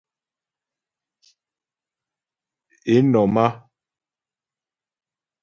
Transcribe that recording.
Ě nɔ̀m á.